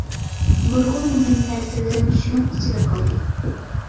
نۇرغۇن مۇھىم نەرسىلىرىم شۇنىڭ ئىچىدە قالدى.